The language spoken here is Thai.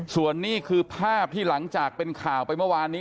ส่วนนี้คือภาพที่หลังจากเป็นข่าวไปเมื่อวานนี้